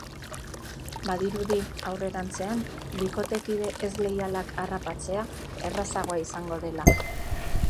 Badirudi aurrerantzean bikotekide ez leialak harrapatzea errazagoa izango dela.